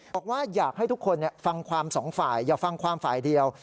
บอกว่าอยากให้ทุกคนฟังความสองฝ่ายอย่าฟังความฝ่ายเดียว